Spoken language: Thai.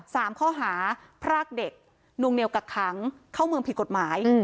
สามข้อหาพรากเด็กนวงเหนียวกักขังเข้าเมืองผิดกฎหมาย